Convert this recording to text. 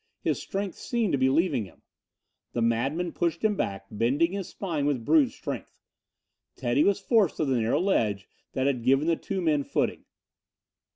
His strength seemed to be leaving him. The madman pushed him back, bending his spine with brute strength. Teddy was forced to the narrow ledge that had given the two men footing.